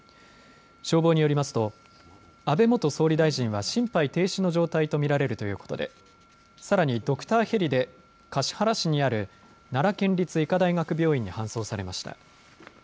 消防によりますと安倍元総理大臣は心肺停止の状態と見られるということでさらにドクターヘリで橿原市にある奈良県立医科大学病院に搬送されました。